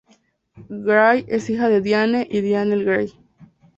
Gray es hija de Diane y Daniel Gray.